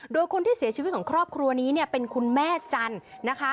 โดยคนที่เสียชีวิตของครอบครัวนี้เนี่ยเป็นคุณแม่จันทร์นะคะ